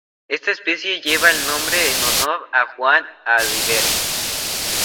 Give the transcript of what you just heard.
Esta especie lleva el nombre en honor a Juan A. Rivero.